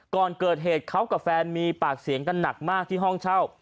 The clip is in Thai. ก่อนเกิดเหตุเขากับแฟนมีปากเสียงกันหนักมากที่ห้องเช่า